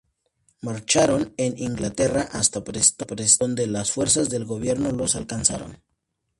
Marcharon en Inglaterra hasta Preston, donde las fuerzas del gobierno los alcanzaron.